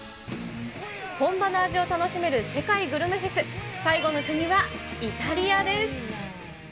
本場の味を楽しめる世界グルメフェス、最後の国はイタリアです。